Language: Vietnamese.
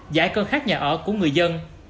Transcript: giải cơ khác nhà ở của người dân